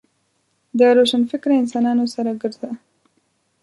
د روشنفکره انسانانو سره ګرځه .